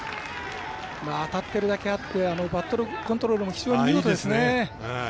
当たってるだけあってバットコントロールも見事ですね。